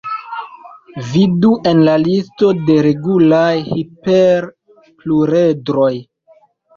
Vidu en la listo de regulaj hiperpluredroj.